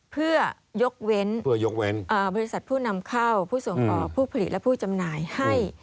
เพื่อยกเว้นเพื่อยกเว้นบริษัทผู้นำเข้าผู้ส่งออกผู้ผลิตและผู้จำหน่ายให้